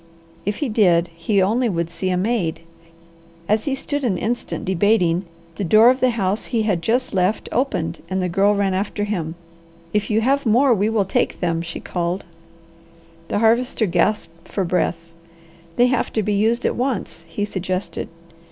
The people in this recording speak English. If he did, he only would see a maid. As he stood an instant debating, the door of the house he just had left opened and the girl ran after him. "If you have more, we will take them," she called. The Harvester gasped for breath. "They have to be used at once," he suggested.